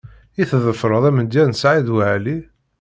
I tḍefreḍ amedya n Saɛid Waɛli?